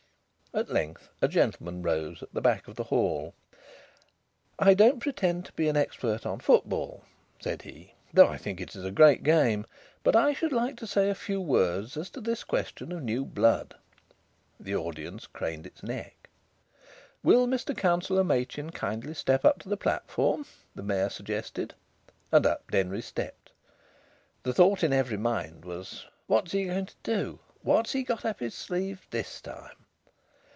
At length a gentleman rose at the back of the hall. "I don't pretend to be an expert on football," said he, "though I think it's a great game, but I should like to say a few words as to this question of new blood." The audience craned its neck. "Will Mr Councillor Machin kindly step up to the platform?" the Mayor suggested. And up Denry stepped. The thought in every mind was: "What's he going to do? What's he got up his sleeve this time?"